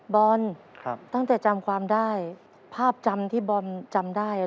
บอลตั้งแต่จำความได้